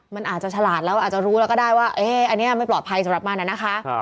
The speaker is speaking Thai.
มันอาจจะฉลาดแล้วอาจจะรู้แล้วก็ได้ว่าอันนี้ไม่ปลอดภัยสำหรับมันนะคะ